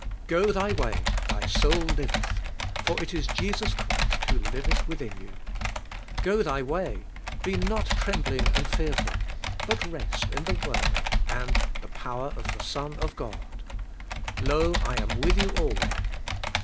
Go thy way, th}^ soul liveth; for it is Jesus Christ who liveth within you. Go thy way; be not trembling and fearful, but 7'csi in ihc word and the power of the Son of God, "Lo, I am with you alway."